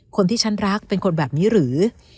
คนที่ฉันรักเป็นคนแบบนี้หรือ